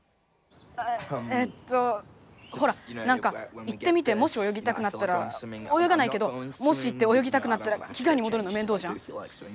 あえっとほらなんか行ってみてもしおよぎたくなったらおよがないけどもし行っておよぎたくなったらきがえにもどるのめんどうじゃん。